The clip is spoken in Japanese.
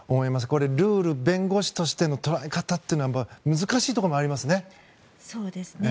これ、ルール弁護士としての捉え方難しいところがありますね。